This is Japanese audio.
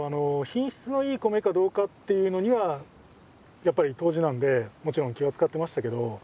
品質のいい米かどうかっていうのにはやっぱり杜氏なんでもちろん気は遣ってましたけど。